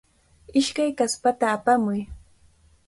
Ishkay kaspata apamuy.